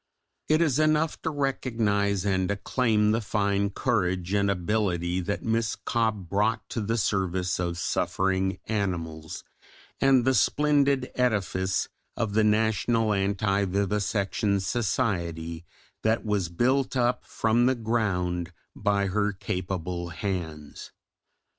It is enough to recognise and acclaim the fine courage and ability that Miss Cobbe brought to the service of suffering animals, and the splendid edifice of the National Anti Vivisection Society that was built up from the ground by her capable hands.